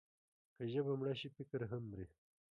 که ژبه مړه شي، فکر هم مري.